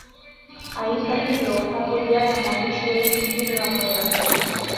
aifa hilo hapo jana mwandishi wetu zuhra mwera